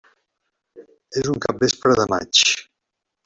És un capvespre de maig.